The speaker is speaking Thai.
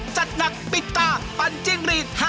จัดหนักปิดตาปันจิ้งรีด